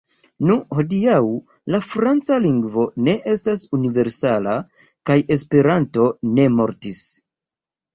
Nu, hodiaŭ la franca lingvo ne estas universala, kaj Esperanto ne mortis.